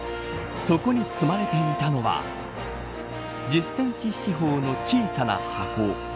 そこに積まれていたのは１０センチ四方の小さな箱。